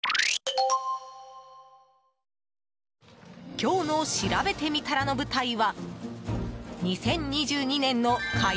今日のしらべてみたらの舞台は２０２２年の買い